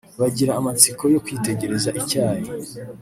bagira amatsiko yo kwitegereza icyayi